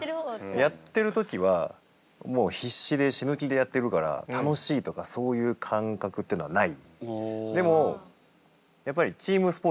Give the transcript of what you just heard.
やってる時はもう必死で死ぬ気でやってるから楽しいとかそういう感覚ってのはない。